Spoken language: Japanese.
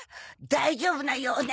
大丈夫なようね。